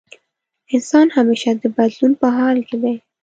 انسان همېشه د بدلون په حال کې دی.